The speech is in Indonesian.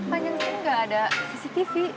panjang panjang gak ada cctv